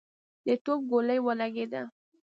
د توپ ګولۍ ولګېده.